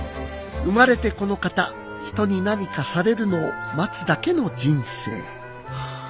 生まれてこのかた人に何かされるのを待つだけの人生。